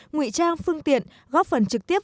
ngụy trang phương tiện góp phần trực tiếp